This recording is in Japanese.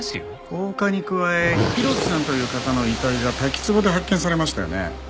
放火に加え浩喜さんという方の遺体が滝つぼで発見されましたよね？